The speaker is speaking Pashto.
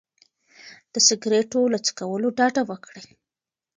د سګرټو له څکولو ډډه وکړئ.